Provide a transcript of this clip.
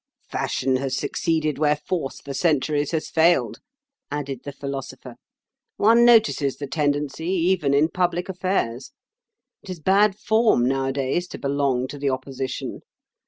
'" "Fashion has succeeded where Force for centuries has failed," added the Philosopher. "One notices the tendency even in public affairs. It is bad form nowadays to belong to the Opposition.